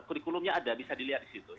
kurikulumnya ada bisa dilihat disitu